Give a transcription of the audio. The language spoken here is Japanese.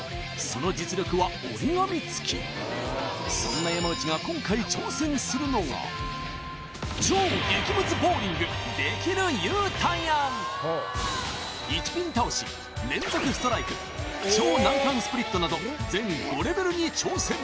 その実力は折り紙付きそんな山内が超１ピン倒し連続ストライク超難関スプリットなど全５レベルに挑戦